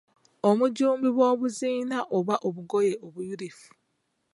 Omujjumbi bw'obuziina oba obugoye obuyulifu.